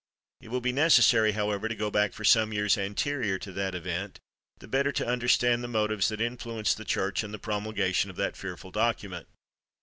It will be necessary, however, to go back for some years anterior to that event, the better to understand the motives that influenced the Church in the promulgation of that fearful document.